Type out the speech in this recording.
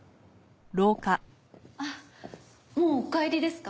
あっもうお帰りですか？